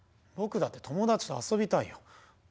僕だって友達と遊びたいよ。